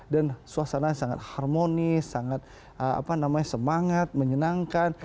dan suasana sangat harmonis sangat semangat menyenangkan